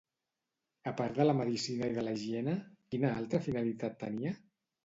A part de la medicina i de la higiene, quina altra finalitat tenia?